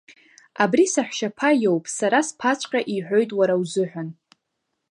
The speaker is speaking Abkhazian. Абри саҳәшьаԥа иоуп сара сԥаҵәҟьа иҳәоит уара узыҳәан.